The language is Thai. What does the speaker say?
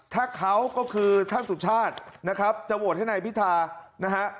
ถ้าเขาก็คือท่านสุชาตินะครับจะโหวตให้นายพิธานะฮะ